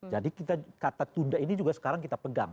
jadi kita kata tunda ini juga sekarang kita pegang